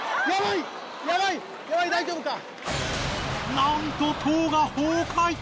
なんと塔が崩壊！